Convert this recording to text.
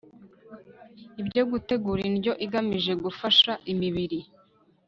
ibyo gutegura indyo igamije gufasha imibiri